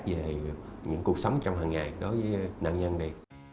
về những cuộc sống trong hàng ngày đối với nạn nhân đi